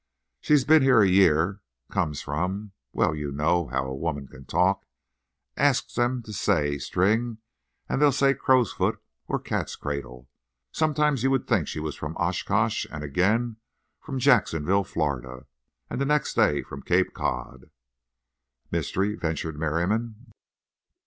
She's been here a year. Comes from—well, you know how a woman can talk—ask 'em to say 'string' and they'll say 'crow's foot' or 'cat's cradle.' Sometimes you'd think she was from Oshkosh, and again from Jacksonville, Florida, and the next day from Cape Cod." "Mystery?" ventured Merriam.